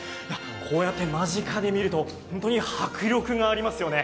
こうやって間近で見ると本当に迫力がありますよね。